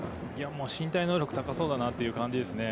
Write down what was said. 身体能力が高そうだなという感じですね。